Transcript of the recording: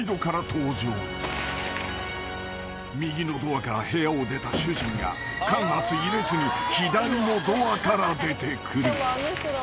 ［右のドアから部屋を出た主人が間髪入れずに左のドアから出てくる］